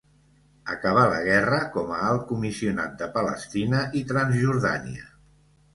Acabà la guerra com a Alt Comissionat de Palestina i Transjordània.